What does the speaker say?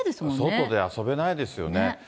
外で遊べないですよね。